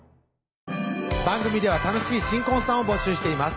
番組では楽しい新婚さんを募集しています